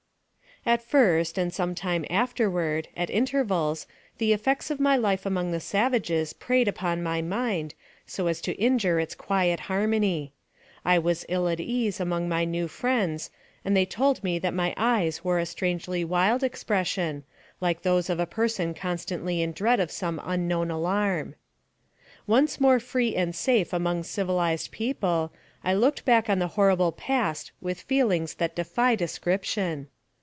AT first, and some time afterward, at intervals, the effects of my life among the savages preyed upon my mind so as to injure its quiet harmony. I was ill at ease among my new friends, and they told me that my eyes wore a strangely wild expression, like those of a person constantly in dread of some unknown alarm. Once more free and safe among civilized people, I looked back on the horrible past with feelings that defy description.